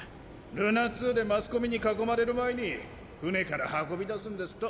ルナツーでマスコミに囲まれる前に艦から運び出すんですと。